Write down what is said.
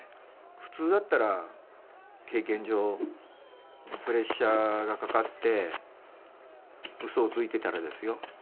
普通だったら経験上プレッシャーがかかってうそをついてたらですよ